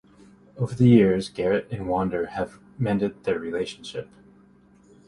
Over the years, Garrett and Wonder have mended their relationship.